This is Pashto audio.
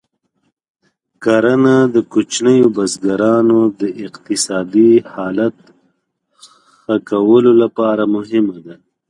کرنه د کوچنیو بزګرانو د اقتصادي حالت ښه کولو لپاره مهمه ده.